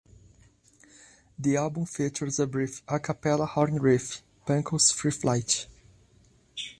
The album features a brief, "a cappella" horn riff, Pankow's "Free Flight.